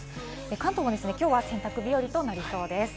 関東は今日は洗濯日和となりそうです。